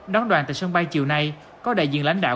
đón đoàn tại sân bay chiều nay có đại diện lãnh đạo